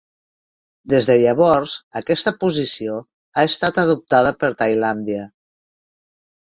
Des de llavors, aquesta posició ha estat adoptada per Tailàndia.